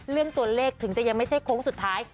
เรื่องตัวเลขถึงจะยังไม่ใช่โค้งสุดท้าย